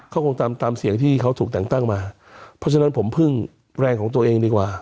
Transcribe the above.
เขาคงตามตามเสียงที่เขาถูกแต่งตั้งมาเพราะฉะนั้นผมพึ่งแรงของตัวเองดีกว่า